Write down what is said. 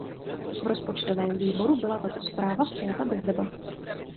V Rozpočtovém výboru byla tato zpráva přijata bez debat.